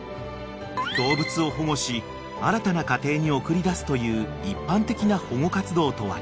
［動物を保護し新たな家庭に送り出すという一般的な保護活動とは違い